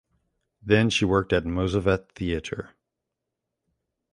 Then she worked at Mossovet Theater.